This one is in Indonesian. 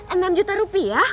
enam juta rupiah